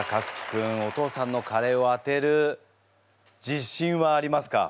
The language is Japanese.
君お父さんのカレーを当てる自信はありますか？